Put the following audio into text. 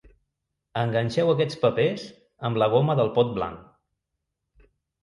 Enganxeu aquests papers amb la goma del pot blanc.